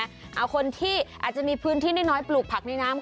เอาคนที่อาจจะมีพื้นที่น้อยปลูกผักในน้ำ